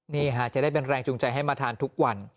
นี่ค่ะจะได้เป็นแรงจูงใจให้มาทานทุกวัน